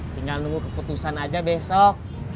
tinggal nunggu keputusan aja besok